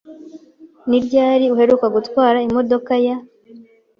Ni ryari uheruka gutwara imodoka ya?